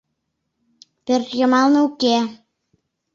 — Пӧрт йымалне уке!